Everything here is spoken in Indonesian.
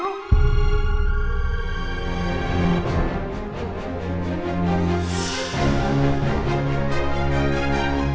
kenapa tak ada dompet